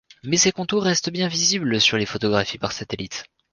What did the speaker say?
Mais ses contours restent bien visibles sur les photographies par satellite.